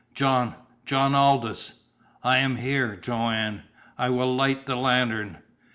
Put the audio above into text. "John John Aldous!" "I am here, Joanne! I will light the lantern!"